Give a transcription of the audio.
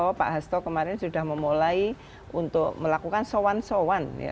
sehingga pak hasto kemarin sudah memulai untuk melakukan sowan sowan ya